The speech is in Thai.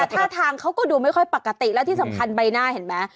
ท่าทางเขาก็ดูไม่ค่อยปกติแล้วที่สำคัญใบหน้าเห็นไหม